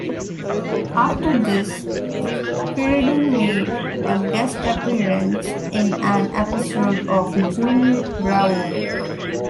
After this, Fielding made a guest appearance in an episode of "Juliet Bravo".